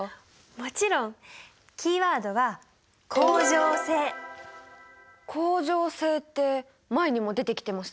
もちろん！キーワードは恒常性って前にも出てきてましたよね。